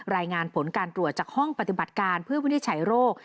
รายงานผลการตรวจจากห้องปฏิบัติการเพื่อวินิจฉัยโรค